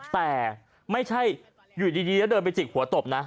แต่ไม่ใช่อยู่ดีแล้วเดินไปจิกหัวตบนะ